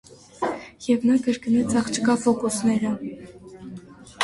Եվ նա կրկնեց աղջկա ֆոկուսը: